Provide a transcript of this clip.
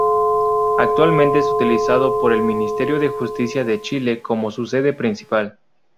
Actualmente es utilizado por el Ministerio de Justicia de Chile como su sede principal.